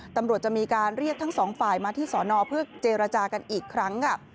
ตำรวจจะมีการเรียกทั้งสองฝ่ายมาที่สอนอเพื่อเจรจากันอีกครั้งค่ะ